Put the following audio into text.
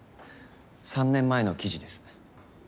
３年前の記事です。